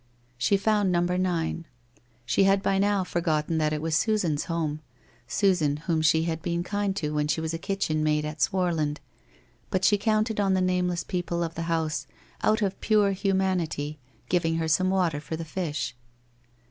She found No. 9. She had by now forgotten that it was Susan's home, Susan whom she had been kind to when she was kitchen maid at Swarland, but she counted on the nameless people of the house, out of pure humanity, giving her some water for the fish.